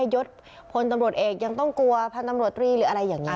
ยศพลตำรวจเอกยังต้องกลัวพันธมรตรีหรืออะไรอย่างนี้